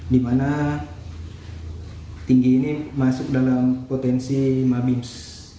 di mana tinggi ini masuk dalam potensi mamings